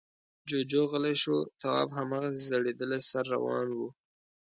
جُوجُو غلی شو. تواب هماغسې ځړېدلی سر روان و.